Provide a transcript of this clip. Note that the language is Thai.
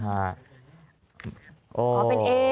อย่างนี้นะฮะ